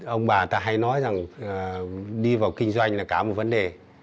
ông bà ta hay nói rằng đi vào kinh doanh là cả một vấn đề